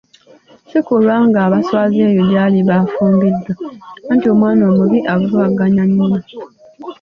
Si kulwanga abaswaza eyo gy'aliba afumbiddwa, anti omwana omubi avumaganya nnyinna.